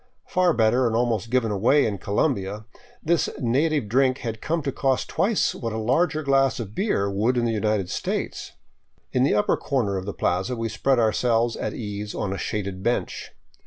Far better, and almost given away in Colombia, this native drink had come to cost twice what a larger glass of beer would in the United States. In the upper corner of the plaza we spread ourselves at ease on a shaded bench.